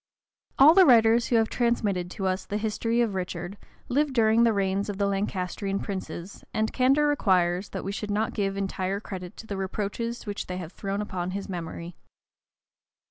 All the writers who have transmitted to us the history of Richard, lived during the reigns of the Lancastrian princes, and candor requires, that we should not give entire credit to the reproaches which they have thrown upon his memory.